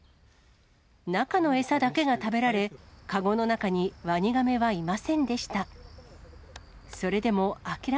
中の餌だけが食べられ、籠の中にワニガメはいませんでした。